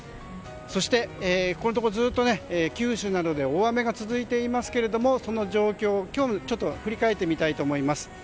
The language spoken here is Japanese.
そして、ここのところずっと九州などで大雨が続いていますけれどもその状況今日振り返ってみたいと思います。